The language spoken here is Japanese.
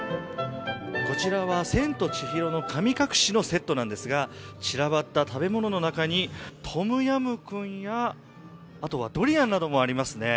こちらは「千と千尋の神隠し」のセットなんですが散らばった食べ物の中に、トムヤムクンやドリアンなどがありますね。